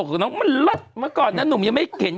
เค้าต้องตามมารัดมาก่อนน้ายนุ่มยังไม่เห็น